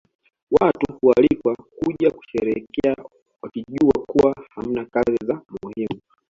Watu hualikwa kuja kusherehekea wakijua kuwa hamna kazi za muhimu